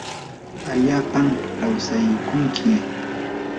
allapam lawsaykunki